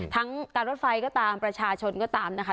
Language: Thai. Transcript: การรถไฟก็ตามประชาชนก็ตามนะคะ